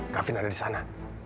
gavin ada di sana